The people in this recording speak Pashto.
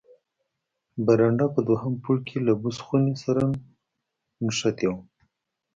برنډه په دوهم پوړ کې له بوس خونې سره نښته وه.